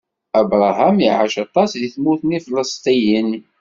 Abṛaham iɛac aṭas di tmurt n Ifilistiyen.